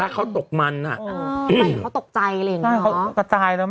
ถ้าเขาตกมันน่ะอืมเขาตกใจอะไรอย่างงี้เค้ากระจายแล้ว